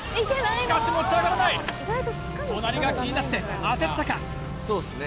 しかし持ち上がらない隣が気になって焦ったか？